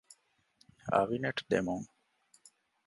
އަވިނެޓް ދެމުން